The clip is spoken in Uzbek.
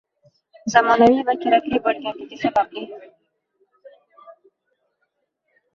zamonaviy va kerakli bo’lganligi sababli